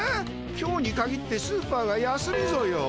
今日にかぎってスーパーが休みぞよ。